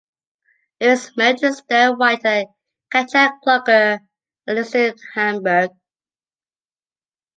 He is married to “Stern” writer Katja Gloger and lives in Hamburg.